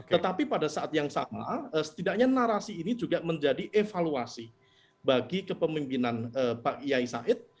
tetapi pada saat yang sama setidaknya narasi ini juga menjadi evaluasi bagi kepemimpinan pak kiai said